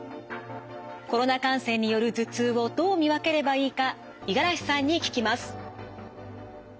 コロナ感染による頭痛をどう見分ければいいか五十嵐さんに聞きます。